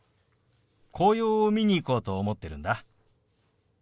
紅葉を見に行こうと思ってるんだ。